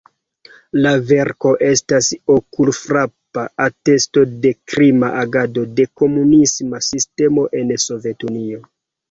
La verko estas okulfrapa atesto de krima agado de komunisma sistemo en Sovetunio.